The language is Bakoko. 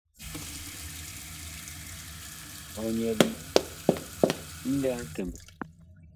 Ɔg nyɛɛ liyi ŋlɛɛ a Nkɛmbɛ.